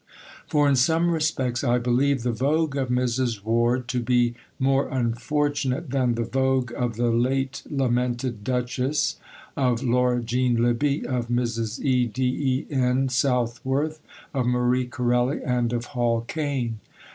For in some respects I believe the vogue of Mrs. Ward to be more unfortunate than the vogue of the late lamented Duchess, of Laura Jean Libbey, of Mrs. E. D. E. N. Southworth, of Marie Corelli, and of Hall Caine.